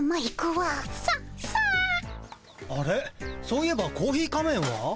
そういえばコーヒー仮面は？